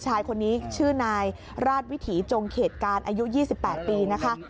ชายคนนี้ชื่อนายราชวิถีจงเขตการอายุ๒๘ปีนะคะ